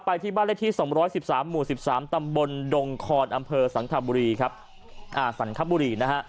ไปที่บ้านเลขที่๒๑๓หมู่๑๓ตำบลดงคลอำเภอสังคบุรี